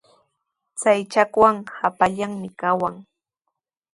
Chay chakwanqa hapallanmi kawan.